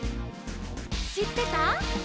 「しってた？」